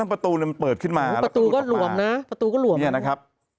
ไม่ต้องเริ่มเปิดขึ้นมา